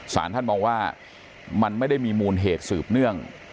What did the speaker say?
สารท่านมองว่ามันไม่ได้มีมูลเหตุสืบเนื่อง